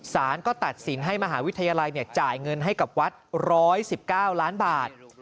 สารก็ตัดสินให้มหาวิทยาลัยจ่ายเงินให้กับวัด๑๑๙ล้านบาท